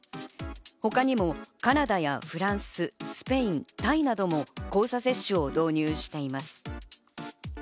他にもカナダやフランス、スペイン、タイなども交差接種を導入しています。